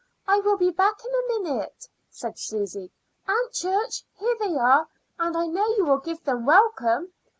"I will be back in a minute," said Susy. "Aunt Church, here they are, and I know you will give them welcome."